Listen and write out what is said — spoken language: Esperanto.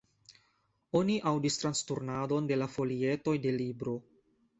Oni aŭdis transturnadon de la folietoj de libro.